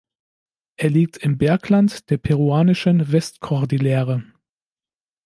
Er liegt im Bergland der peruanischen Westkordillere.